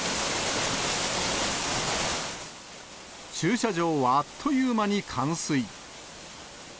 駐車場はあっという間に冠水。